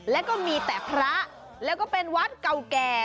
แล้วก็มีแต่พระแล้วก็เป็นวัดเก่าแก่